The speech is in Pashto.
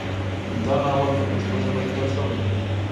دا ناول په پښتو ژبه لیکل شوی دی.